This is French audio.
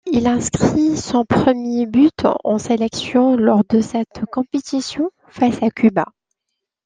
Il inscrit son premier but en sélection lors de cette compétition, face à Cuba.